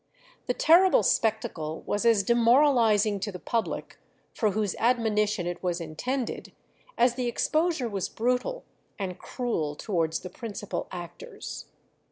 The terrible spectacle was as demoralizing to the public, for whose admonition it was intended, as the exposure was brutal and cruel towards the principal actors.